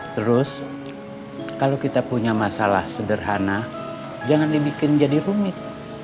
terus kalau kita punya masalah sederhana jangan dibikin jadi rumit